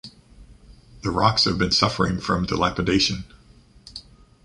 The rocks have been suffering from dilapidation.